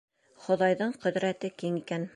Хоҙайҙың ҡөҙрәте киң икән.